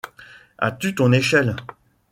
As-tu ton échelle?